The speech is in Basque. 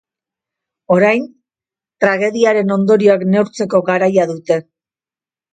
Orain, tragediaren ondorioak neurtzeko garaia dute.